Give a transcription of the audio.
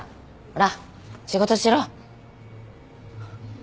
ほら仕事しろ。